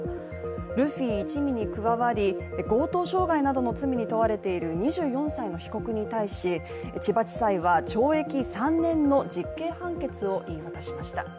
ルフィ一味に加わり、強盗傷害などの罪に問われている２４歳の被告に対し千葉地裁は懲役３年の実刑判決を言い渡しました。